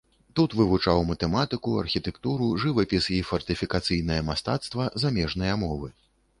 Тут вывучаў матэматыку, архітэктуру, жывапіс і фартыфікацыйнае мастацтва, замежныя мовы.